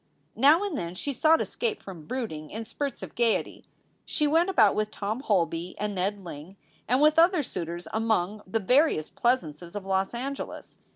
Now and then she sought escape from brooding in spurts of gayety. She went about with Tom Holby and Ned Ling, and with other suitors among the various pleasances of Los Angeles.